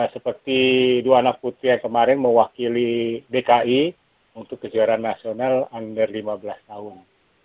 seperti dua anak putih yang kemarin mewakili dki untuk kejuaraan nasional hampir lima belas tahun